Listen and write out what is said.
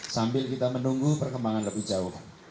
sambil kita menunggu perkembangan lebih jauh